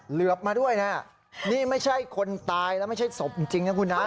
เหลือบมาด้วยนะนี่ไม่ใช่คนตายแล้วไม่ใช่ศพจริงนะคุณนะ